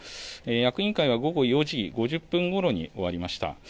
役員会は午後４時５０分ごろに終わりました。